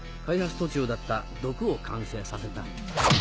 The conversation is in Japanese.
途中だった毒を完成させた。